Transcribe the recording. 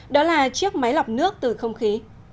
đó là chiếc máy lọc nước từ không khí